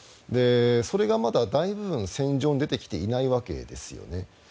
それがまだ大部分、戦場に出てきていないわけですよね。